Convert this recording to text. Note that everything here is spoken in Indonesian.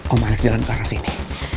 om alex jalan ke arah sini